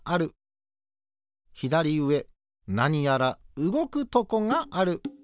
ひだりうえなにやらうごくとこがある。